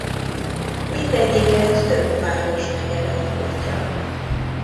Mindegyiket több városnegyed alkotja.